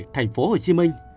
thành phố hồ chí minh